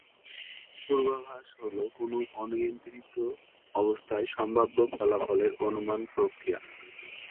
পূর্বাভাস হল কোনো অনিয়ন্ত্রিত অবস্থায় সম্ভাব্য ফলাফলের অনুমানের প্রক্রিয়া।